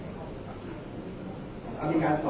แต่ว่าไม่มีปรากฏว่าถ้าเกิดคนให้ยาที่๓๑